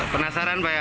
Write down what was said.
penasaran pak ya